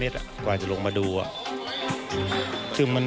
แล้วพอโชนเสร็จเรียบร้อยก็เลยไปตั้งเกือบ๒๐๐เมตรกว่าจะลงมาดู